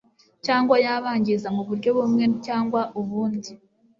cyangwa yabangiza mu buryo bumwe cyangwa ubundi